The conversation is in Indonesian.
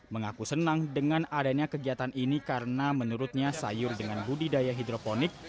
mengaku senang dengan adanya kegiatan ini karena menurutnya sayur dengan budidaya hidroponik